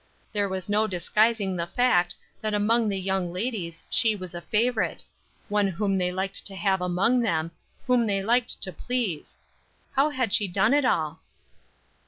There was no disguising the fact, that among the young ladies she was a favorite; one whom they liked to have among them, whom they liked to please. How had she done it all?